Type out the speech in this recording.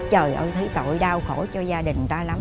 trời ông thấy tội đau khổ cho gia đình ta lắm